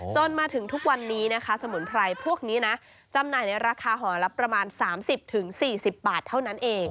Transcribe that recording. จนถึงทุกวันนี้นะคะสมุนไพรพวกนี้นะจำหน่ายในราคาห่อละประมาณ๓๐๔๐บาทเท่านั้นเอง